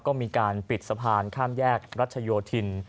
ก็มีการปิดสะพานข้ามแยกรัชโยธิน